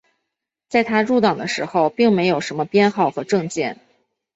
在他入党的时候并没有什么编号和证件。